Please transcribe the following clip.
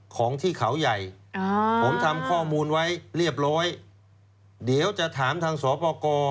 ของเขาใหญ่ผมทำข้อมูลไว้เรียบร้อยเดี๋ยวจะถามทางสปกร